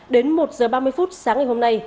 đến một h ba mươi phút sáng ngày hôm nay